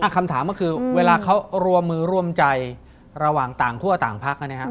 อ่ะคำถามก็คือเวลาเขาร่วมมือร่วมใจระหว่างต่างคู่กับต่างพักนะเนี่ยครับ